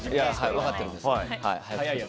分かってるんです。